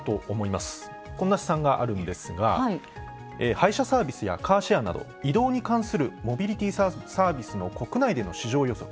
配車サービスやカーシェアなど移動に関するモビリティサービスの国内での市場予測。